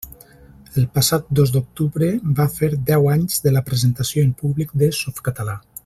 El passat dos d'octubre va fer deu anys de la presentació en públic de Softcatalà.